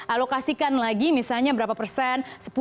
alokasikan lagi misalnya berapa persen